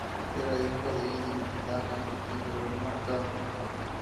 Era hijo de Iddin-Dagan, y gobernó ca.